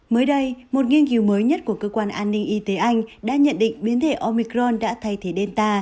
mới đây một nghiên cứu mới nhất của cơ quan an ninh y tế anh đã nhận định biến thể omicron đã thay thế delta